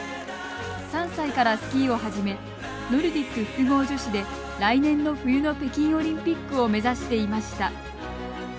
３歳からスキーを始めノルディック複合女子で来年の冬の北京オリンピックを目指していました。